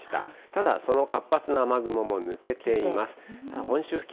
ただその活発な雨雲も抜けています。